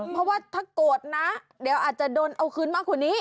เพราะว่าถ้าโกรธนะเดี๋ยวอาจจะโดนเอาคืนมากกว่านี้